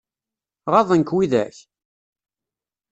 Ɣaḍen-k widak?